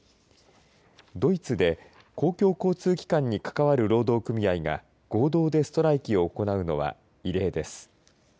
ドイツで公共交通機関に関わる労働組合が合同でストライキを行うのは異例です。